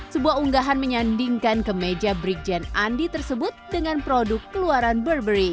sebuah unggahan menyandingkan kemeja brigjen andi tersebut dengan produk keluaran burberry